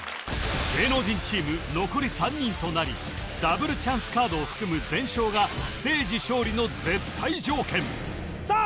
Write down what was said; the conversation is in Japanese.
芸能人チーム残り３人となりダブルチャンスカードを含む全勝がステージ勝利の絶対条件さあ